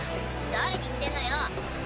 誰に言ってんのよ。